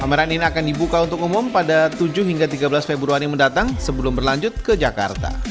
pameran ini akan dibuka untuk umum pada tujuh hingga tiga belas februari mendatang sebelum berlanjut ke jakarta